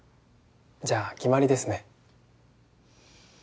じゃあ決まりですね。